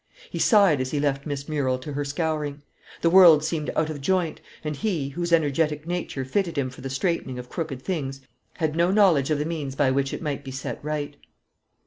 He sighed as he left Miss Murrel to her scouring. The world seemed out of joint; and he, whose energetic nature fitted him for the straightening of crooked things, had no knowledge of the means by which it might be set right.